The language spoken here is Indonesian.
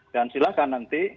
dan silahkan nanti